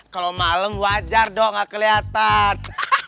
kalo malem wajar dong gak keliatan